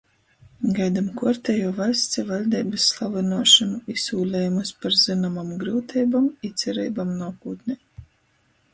Gaidam kuortejū vaļsts i vaļdeibys slavynuošonu i sūlejumus par zynomom gryuteibom i cereibom nuokūtnē.